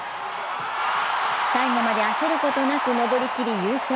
最後まで焦ることなく登り切り優勝。